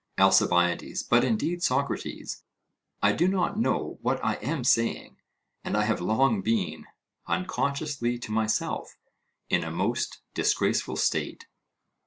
ALCIBIADES: But, indeed, Socrates, I do not know what I am saying; and I have long been, unconsciously to myself, in a most disgraceful state.